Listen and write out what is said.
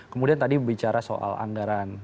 kemudian tadi bicara soal anggaran